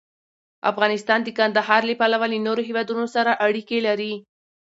افغانستان د کندهار له پلوه له نورو هېوادونو سره اړیکې لري.